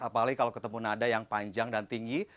apalagi kalau ketemu nada yang panjang dan tinggi